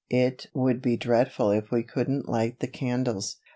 It would be dreadful if we couldn't light the candles."